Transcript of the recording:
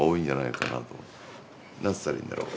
何つったらいいんだろう